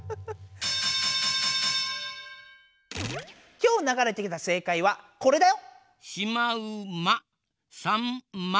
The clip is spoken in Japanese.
今日ながれてきた正解はこれだよ！